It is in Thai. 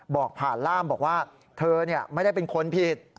บอกผ่านล่ามบอกว่าเธอไม่ได้เป็นคนผิด